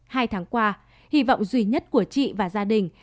hai tháng qua hy vọng duy nhất của chị và gia đình